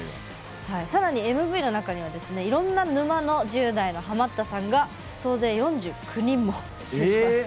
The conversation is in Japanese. さらに、ＭＶの中にはいろんな沼の１０代のハマったさんが総勢４９人も出演しています。